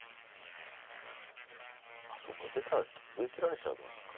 そうか出たら上切られちゃいますか。